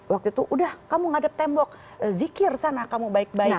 waktu itu udah kamu ngadep tembok zikir sana kamu baik baik